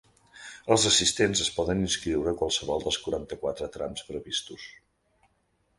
Els assistents es poden inscriure a qualsevol dels quaranta-quatre trams previstos.